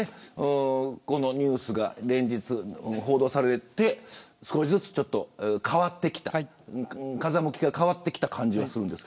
このニュースが連日報道されて少しずつ風向きが変わってきた感じがします。